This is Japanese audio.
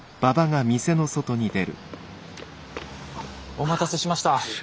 お待たせしました。